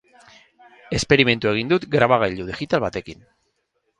Esperimentua egin dut grabagailu digital batekin.